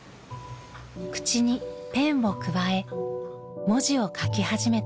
口にペンをくわえ文字を書き始めたのです。